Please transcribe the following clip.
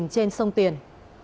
trên sông tiền